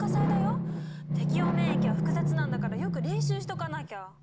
適応免疫は複雑なんだからよく練習しとかなきゃ。